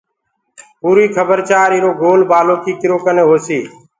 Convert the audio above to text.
پوريٚ کبر چآر ايرو گول بآلو ڪيٚ ڪرو ڪني هوسيٚ